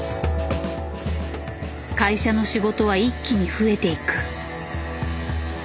会社の仕事は一気に増えていく。